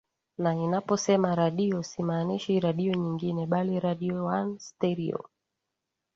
Na ninaposema Radio simaanishi Radio nyingine bali Radio One Stereo